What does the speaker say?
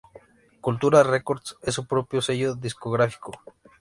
Culturas Records es su propio sello discográfico.